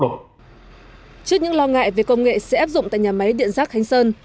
trước những lo ngại về công nghệ sẽ áp dụng tại nhà máy điện rác khánh sơn